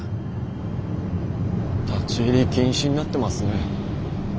立ち入り禁止になってますね。